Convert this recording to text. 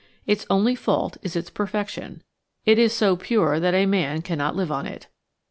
Its only fault is its perfection. It is so pure that a man cannot live on it."